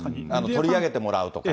取り上げてもらうとかね。